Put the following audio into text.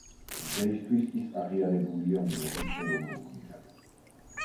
დღეისთვის ის აღიარებულია უნგრეთის ეროვნულ გმირად.